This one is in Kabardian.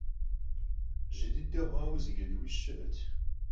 Жьы дыдэ хъуауэ зы Джэдуужь щыӀэт.